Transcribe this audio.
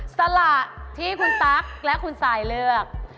สละที่คุณตั๊กและคุณซายเลือก